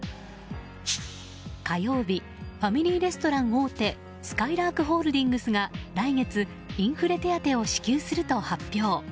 火曜日ファミリーレストラン大手すかいらーくホールディングスが来月、インフレ手当を支給すると発表。